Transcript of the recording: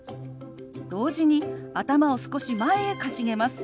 同時に頭を少し前へかしげます。